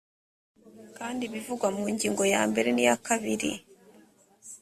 kandi ibivugwa mu ngingo ya mbere n’iya kabiri